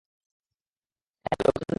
হ্যাঁ, লোখান্দে বল।